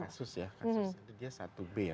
kalau lihat berkaca kasus ya